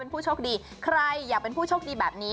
ผู้โชคดีใครอยากเป็นผู้โชคดีแบบนี้